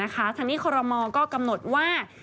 ทางนี้คอรมอลก็กำหนดว่า